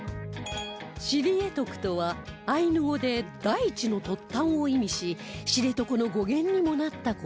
シリエトクとはアイヌ語で「大地の突端」を意味し「知床」の語源にもなった言葉